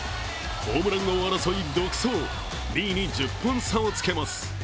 ホームラン王争い独走、２位に１０本差をつけます。